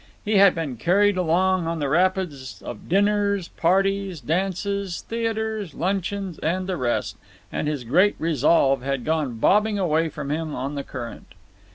He had been carried along on the rapids of dinners, parties, dances, theatres, luncheons, and the rest, and his great resolve had gone bobbing away from him on the current.